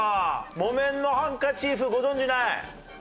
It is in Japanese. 木綿のハンカチーフご存じない？